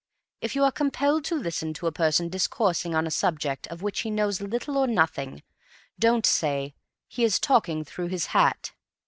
If you are compelled to listen to a person discoursing on a subject of which he knows little or nothing, don't say "He is talking through his hat."